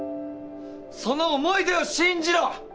その思い出を信じろ！